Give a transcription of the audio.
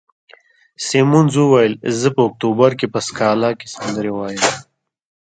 سیمونز وویل: زه په اکتوبر کې په سکالا کې سندرې وایم.